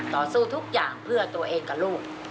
ต่อสู้ทุกอย่างเพื่อตัวเองกับลูก